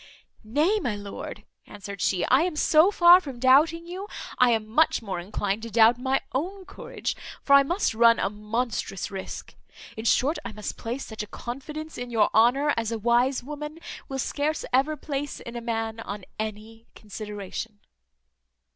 "Nay, my lord," answered she, "I am so far from doubting you, I am much more inclined to doubt my own courage; for I must run a monstrous risque. In short, I must place such a confidence in your honour as a wise woman will scarce ever place in a man on any consideration."